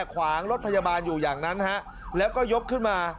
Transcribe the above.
ขวางรถพยาบาลอยู่อย่างนั้นฮะแล้วก็ยกขึ้นมา